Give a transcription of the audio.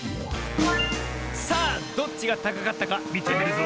さあどっちがたかかったかみてみるぞ。